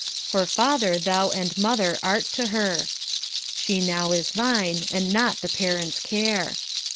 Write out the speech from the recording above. For father thou and mother art to her; She now is thine, and not the parent's care.